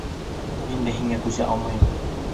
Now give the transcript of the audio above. Мин дә һиңә күсә алмайым.